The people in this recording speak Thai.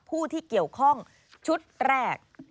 ผู้ที่เกี่ยวข้องชุดแรก